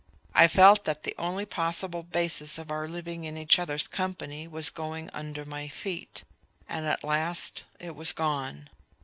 I felt that the only possible basis of our living in each other's company was going under my feet. And at last it was gone.